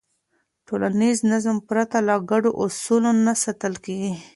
ټولنیز نظم پرته له ګډو اصولو نه ساتل کېږي.